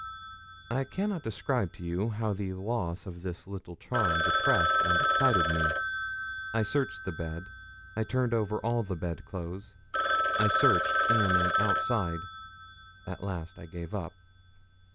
I cannot describe to you how the loss of this little 'charm' depressed and excited me. I searched the bed; I turned over all the bed clothes; I searched in and outside; at last I gave up.